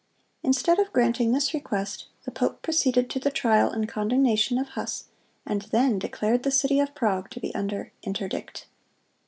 Instead of granting this request, the pope proceeded to the trial and condemnation of Huss, and then declared the city of Prague to be under interdict.